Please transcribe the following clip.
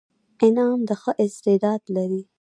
انعام د ښه استعداد لري.